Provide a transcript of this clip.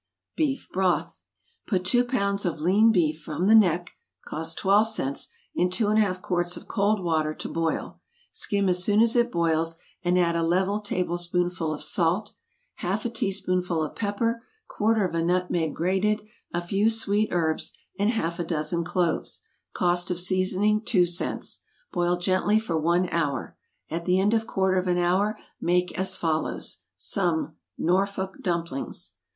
=Beef Broth.= Put two pounds of lean beef from the neck, (cost twelve cents,) in two and a half quarts of cold water to boil; skim as soon as it boils, and add a level tablespoonful of salt, half a teaspoonful of pepper, quarter of a nutmeg grated, a few sweet herbs, and half a dozen cloves; (cost of seasoning two cents;) boil gently for one hour. At the end of quarter of an hour make as follows some =Norfolk Dumplings.